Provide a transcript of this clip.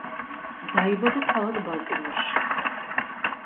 დაიბადა ქალაქ ბალტიმორში.